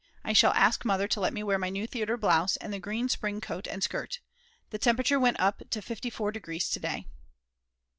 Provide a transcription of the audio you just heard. I shall ask Mother to let me wear my new theatre blouse and the green spring coat and skirt. The temperature went up to 54 degrees to day.